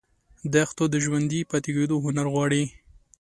دښته د ژوندي پاتې کېدو هنر غواړي.